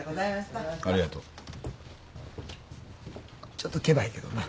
ちょっとケバいけどな。